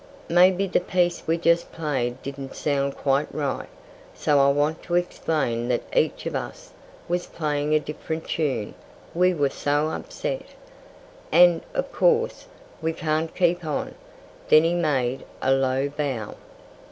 Maybe the piece we just played didn't sound quite right. So I want to explain that each of us was playing a different tune, we were so upset. And, of course, we can't keep on." Then he made a low bow.